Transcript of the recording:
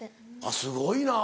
すごいな。